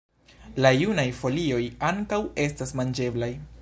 La junaj folioj ankaŭ estas manĝeblaj.